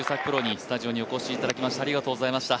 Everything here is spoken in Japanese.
プロにスタジオにお越しいただきました。